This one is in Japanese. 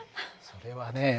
それはね